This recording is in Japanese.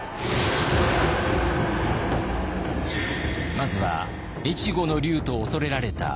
まずは越後の龍と恐れられた上杉謙信。